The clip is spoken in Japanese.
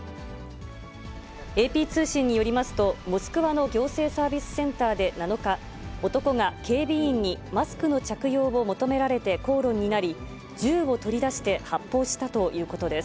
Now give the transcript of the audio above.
ＡＰ通信によりますと、モスクワの行政サービスセンターで７日、男が警備員にマスクの着用を求められて口論になり、銃を取り出して発砲したということです。